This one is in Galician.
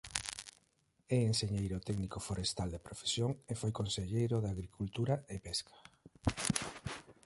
É Enxeñeiro Técnico Forestal de profesión e foi Conselleiro de Agricultura e Pesca.